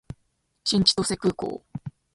新千歳空港